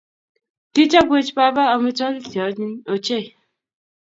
Kichopwech baba amitwogik cheonyiny ochei